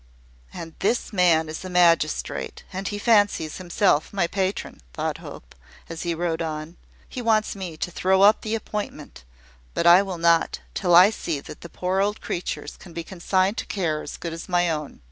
"And this man is a magistrate, and he fancies himself my patron!" thought Hope, as he rode on. "He wants me to throw up the appointment; but I will not, till I see that the poor old creatures can be consigned to care as good as my own.